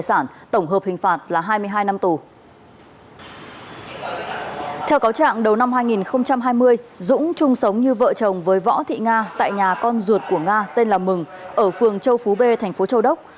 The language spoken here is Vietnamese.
sau năm hai nghìn hai mươi dũng chung sống như vợ chồng với võ thị nga tại nhà con ruột của nga tên là mừng ở phường châu phú b thành phố châu đốc